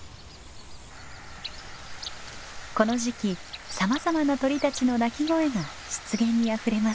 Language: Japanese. この時期さまざまな鳥たちの鳴き声が湿原にあふれます。